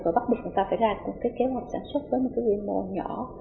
và bắt buộc người ta phải ra một cái kế hoạch sản xuất với một cái quy mô nhỏ